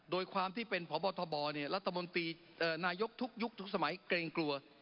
โดยความที่เป็นพบทบรัฐมนตรีนายกทุกยุคทุกสมัยเกรงกลัว